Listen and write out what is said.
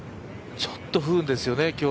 ちょっと不運ですよね